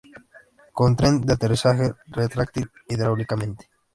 Con tren de aterrizaje retráctil hidráulicamente.